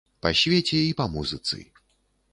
Па свеце і па музыцы.